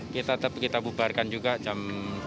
kita bubarkan juga jam dua puluh dua